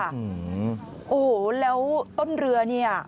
โอ้โหแล้วต้นเรือเนี่ย